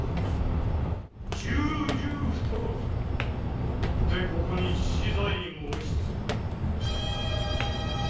よってここに死罪申しつくる！